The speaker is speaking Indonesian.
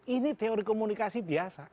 ini teori komunikasi biasa